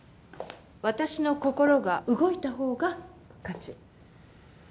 私の心が動いたほうが勝ち。